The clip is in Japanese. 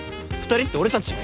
２人って俺たち？